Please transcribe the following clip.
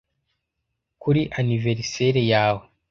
kuri anniversaire yawe